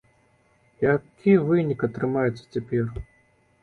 Які вынік атрымаецца цяпер?